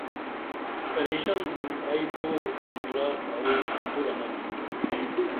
پریشن بُم ائی تو تندورہ اوو کُرنہ بِنِی